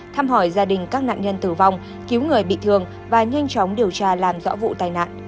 thăm hỏi gia đình các nạn nhân tử vong cứu người bị thương và nhanh chóng điều tra làm rõ vụ tai nạn